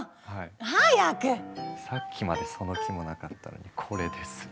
さっきまでその気もなかったのにこれですよ。